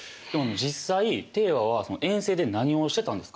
実際和は遠征で何をしてたんですか？